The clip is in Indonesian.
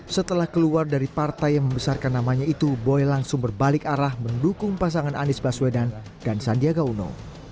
setelah keluar dari partai yang membesarkan namanya itu boy langsung berbalik arah mendukung pasangan anies baswedan dan sandiaga uno